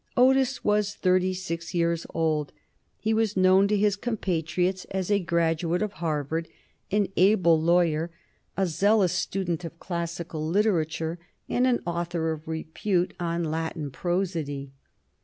Otis was thirty six years old; he was known to his compatriots as a graduate of Harvard, an able lawyer, a zealous student of classical literature, and an author of repute on Latin prosody.